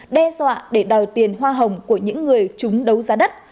đe dọa để đòi tiền hoa hồng của những người chúng đấu giá đất